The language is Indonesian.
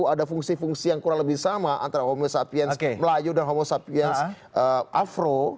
ada fungsi fungsi yang kurang lebih sama antara homo sapiens melayu dan homo sapiens afro